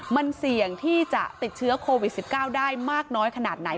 มันเสี่ยงที่จะติดเชื้อโควิด๑๙ได้มากน้อยขนาดไหน